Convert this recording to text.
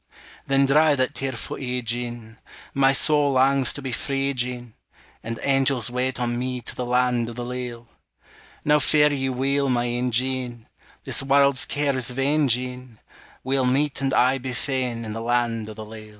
Then dry that tearfu' ee, Jean, My soul langs to be free, Jean, And angels wait on me To the land o' the leal! Now fare ye weel, my ain Jean, This warld's care is vain, Jean; We'll meet and aye be fain In the land o' the leal.